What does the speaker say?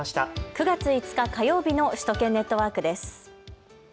９月５日火曜日の首都圏ネットワークです。